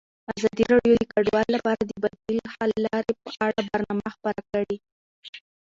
ازادي راډیو د کډوال لپاره د بدیل حل لارې په اړه برنامه خپاره کړې.